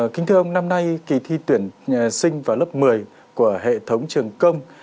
kính thưa ông năm nay kỳ thi tuyển sinh vào lớp một mươi của hệ thống trường công